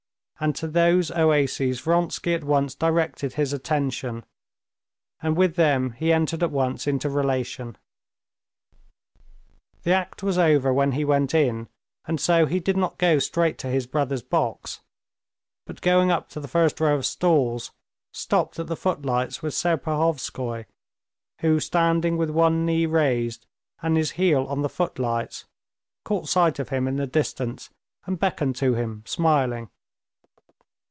And to those oases Vronsky at once directed his attention, and with them he entered at once into relation. The act was over when he went in, and so he did not go straight to his brother's box, but going up to the first row of stalls stopped at the footlights with Serpuhovskoy, who, standing with one knee raised and his heel on the footlights, caught sight of him in the distance and beckoned to him, smiling.